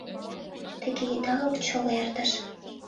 Тыге идалык чоло эртыш.